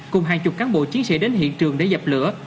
cùng hàng chục cán bộ chiến sĩ đến hiện trường để dập lửa